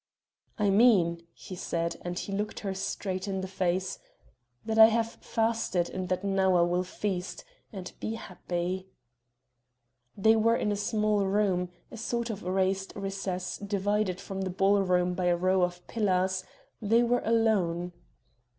"I mean," he said, and he looked her straight in the face, "that I have fasted and that now I will feast, and be happy." They were in a small room a sort of raised recess divided from the ball room by a row of pillars; they were alone.